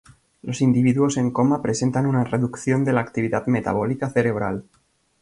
Los individuos en coma presentan una reducción de la actividad metabólica cerebral.